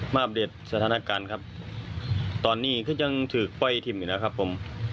มาอัปเดตสถานการณ์ครับตอนนี้ก็ยังถือไฟทิมอยู่แล้วครับผม